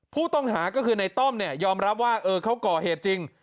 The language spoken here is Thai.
ผู้ต้องหาก็คือในต้อมเนี่ยยอมรับว่าเขาก่อเหตุจริง